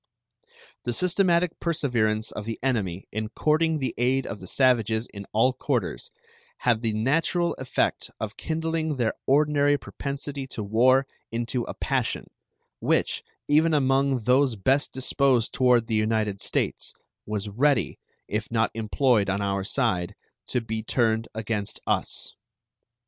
The systematic perseverance of the enemy in courting the aid of the savages in all quarters had the natural effect of kindling their ordinary propensity to war into a passion, which, even among those best disposed toward the United States, was ready, if not employed on our side, to be turned against us.